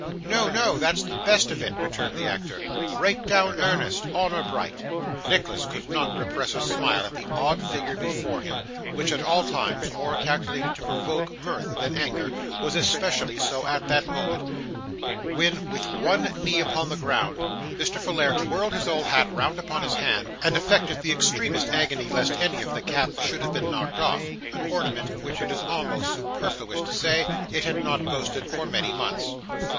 'No, no, that's the best of it,' returned the actor; 'right down earnest honour bright.' Nicholas could not repress a smile at the odd figure before him, which, at all times more calculated to provoke mirth than anger, was especially so at that moment, when with one knee upon the ground, Mr. Folair twirled his old hat round upon his hand, and affected the extremest agony lest any of the nap should have been knocked off an ornament which it is almost superfluous to say, it had not boasted for many months.